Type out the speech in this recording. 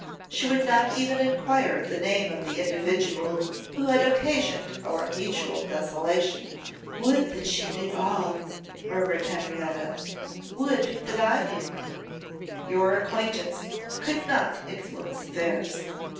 She would not even enquire the name of the individual who had occasioned our mutual desolation.' 'Would that she knew all,' murmured Henrietta; 'would that I knew her.' 'Your acquaintance could not influence affairs.